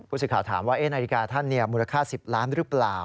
สื่อข่าวถามว่านาฬิกาท่านมูลค่า๑๐ล้านหรือเปล่า